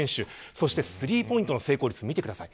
そしてスリーポイントの成功率を見てください。